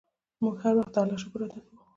موږ هر وخت د اللهﷻ شکر ادا کوو.